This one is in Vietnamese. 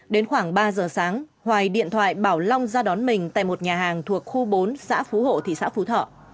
đến khoảng ba giờ sáng hoài điện thoại bảo long ra đón mình tại một nhà hàng thuộc khu bốn xã phú hộ thị xã phú thọ